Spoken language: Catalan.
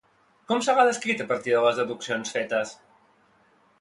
Com se l'ha descrit a partir de les deduccions fetes?